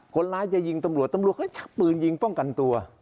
คนร้ายจะยิงตำรวจตำรวจก็ชักปืนยิงป้องกันตัว